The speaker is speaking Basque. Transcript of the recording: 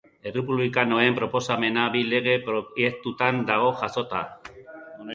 Errepublikanoen proposamena bi lege proiektutan dago jasota.